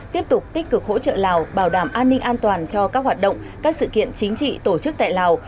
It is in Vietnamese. tiếp tục tích cực hỗ trợ lào bảo đảm an ninh an toàn cho các hoạt động các sự kiện chính trị tổ chức tại lào